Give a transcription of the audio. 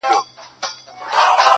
• دا لا څه چي ټول دروغ وي ټول ریا وي -